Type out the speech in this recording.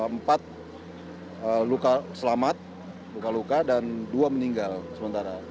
empat luka selamat luka luka dan dua meninggal sementara